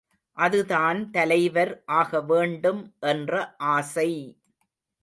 அதுதான் தலைவர் ஆகவேண்டும் என்ற ஆசை!